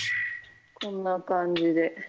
こんな感じで。